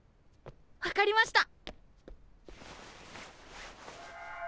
分かりました！